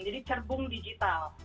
jadi cerbung digital